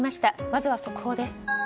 まずは速報です。